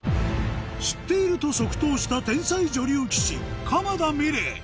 知っていると即答した天才女流棋士鎌田美礼